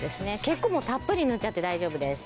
結構もうたっぷり塗っちゃって大丈夫です。